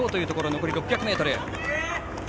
残り６００ｍ。